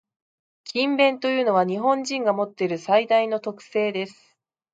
「勤勉」というのは、日本人が持っている最大の特性です。